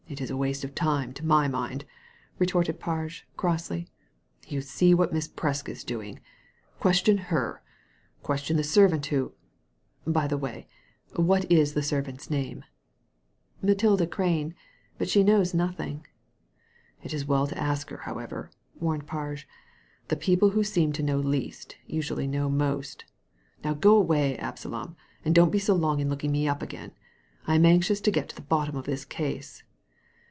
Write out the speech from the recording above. It is waste of time, to my mind," retorted Parge, crossly. " You see what Mrs. Presk is doing. Ques tion her ; question the servant who ^ By the way, what is the servant's name ?"" Matilda Crane ; but she knows nothing." " It's as well to ask her, however," warned Parge. ''The people who seem to know least usually know most Now go away, Absalom, and don't be so long in looking me up again. I'm anxious to get to the bottom of this case."